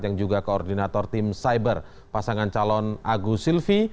yang juga koordinator tim cyber pasangan calon agus silvi